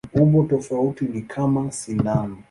Umbo tofauti ni kama sindano.